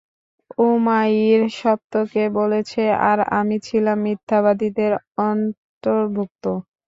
উমাইর সত্য বলেছে আর আমি ছিলাম মিথ্যাবাদীদের অর্ন্তভূক্ত।